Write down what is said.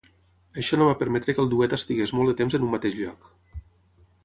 Això no va permetre que el duet estigués molt de temps en un mateix lloc.